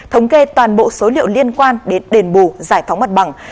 thống kê toàn bộ số liệu liên quan đến đền bù giải phóng mặt bằng